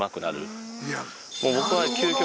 僕は。